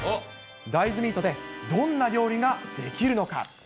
大豆ミートでどんな料理ができるのか。